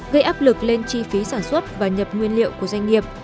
gây áp lực lên chi phí sản xuất và nhập nguyên liệu của doanh nghiệp